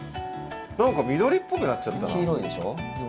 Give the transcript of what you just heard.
何か緑っぽくなっちゃったな。